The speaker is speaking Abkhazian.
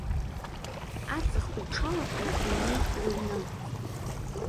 Аҵх уҽалакны унеит лыҩны.